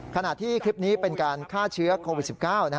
ขณะที่คลิปนี้เป็นการฆ่าเชื้อโควิด๑๙